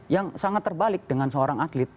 yang sangat terbalik dengan seorang atlet